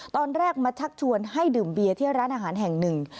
ตอนแรกมาชักชวนให้ดื่มเบียร์ที่ร้านอาหารแห่งหนึ่ง